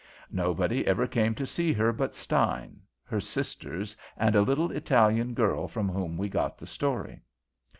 Nobody ever came to see her but Stein, her sisters, and a little Italian girl from whom we got the story.